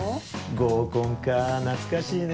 合コンかぁ懐かしいね